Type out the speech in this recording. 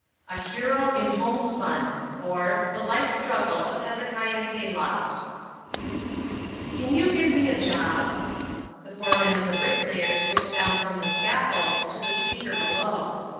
V. A Hero in Homespun: or, The Life Struggle of Hezekiah Hayloft "Can you give me a job?" The foreman of the bricklayers looked down from the scaffold to the speaker below.